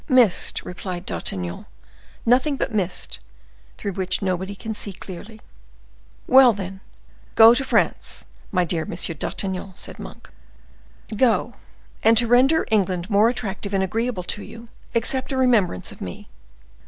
"Mist!" replied D'Artagnan; "nothing but mist, through which nobody can see clearly." "Well, then, go to France, my dear Monsieur d'Artagnan," said Monk; "go, and to render England more attractive and agreeable to you, accept a remembrance of me."